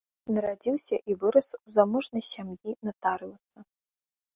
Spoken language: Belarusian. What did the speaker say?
Нарадзіўся і вырас ў заможнай сям'і натарыуса.